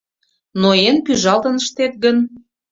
Ноен, пӱжалтын ыштет гын